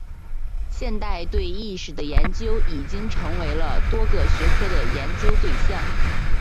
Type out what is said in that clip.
现代对意识的研究已经成为了多个学科的研究对象。